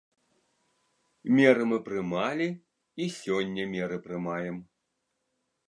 Меры мы прымалі і сёння меры прымаем.